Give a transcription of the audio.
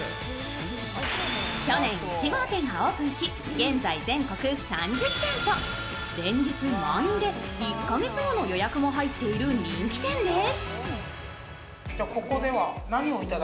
去年１号店がオープンし、現在全国３０店舗、連日満員で１カ月後の予約も入っている人気店です。